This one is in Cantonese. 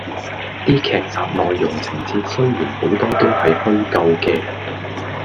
啲劇集內容情節雖然好多都係虛構嘅